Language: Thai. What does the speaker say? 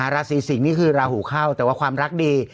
ราศีสิงศ์นี่คือราหูเข้าแต่ว่าความรักดี